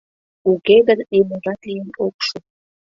Уке гын ниможат лийын ок шу.